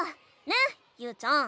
ねゆうちゃん。